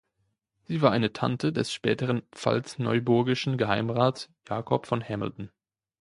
Sie war eine Tante des späteren pfalz-neuburgischen Geheimrats Jakob von Hamilton.